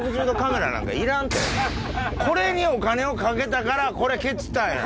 これにお金をかけたからこれケチったんや。